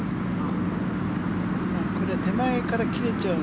これは手前から切れちゃう。